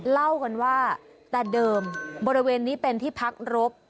เล่ากันว่าแต่เดิมบริเวณนี้เป็นที่พักรบ